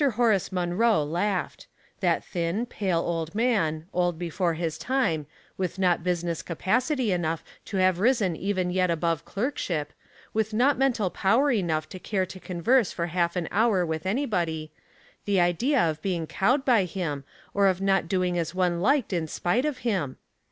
Horace Munroe laughed. That thin, pale old man, old before his time, with not business capacity enough to have risen even yet above clerkship, with not mental power enough to care to converse for half an hour with anybody — the idea of being cowed by him, or of not doing as one liked in spite of him